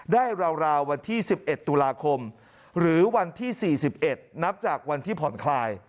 ราววันที่๑๑ตุลาคมหรือวันที่๔๑นับจากวันที่ผ่อนคลาย